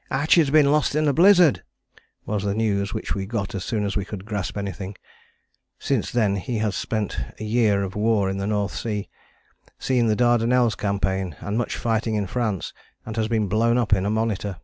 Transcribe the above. " "Atch has been lost in a blizzard," was the news which we got as soon as we could grasp anything. Since then he has spent a year of war in the North Sea, seen the Dardanelles campaign, and much fighting in France, and has been blown up in a monitor.